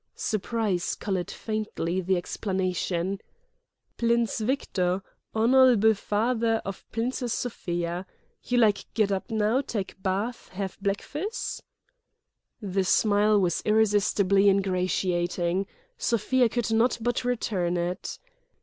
Surprise coloured faintly the explanation: "Plince Victo', honol'ble fathe' of Plincess Sofia. You like get up now, take bath, have blekfuss?" The smile was irresistibly ingratiating: Sofia could not but return it.